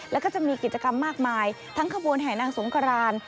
แล้วก็จะมีกิจกรรมมากมายทั้งขบวนแห่นางสงคราน